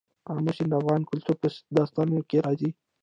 آمو سیند د افغان کلتور په داستانونو کې راځي.